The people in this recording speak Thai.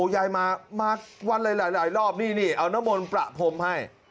ยายมามาวันหลายหลายหลอบนี่นี่เอานมลปแลกผมให้